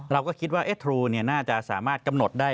เราก็คิดว่าทรูน่าจะสามารถกำหนดได้